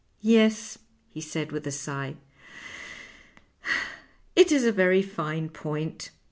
" Yes," he saiti witli a sigh, " it is a very fine point.